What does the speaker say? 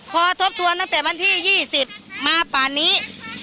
พอทบทวนตั้งแต่วันที่๒๐มาป่านนี้